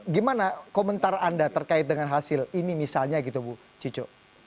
gimana komentar anda terkait dengan hasil ini misalnya gitu bu cicu